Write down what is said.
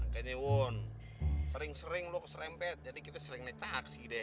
makanya wun sering sering lo keserempet jadi kita sering naik taksi deh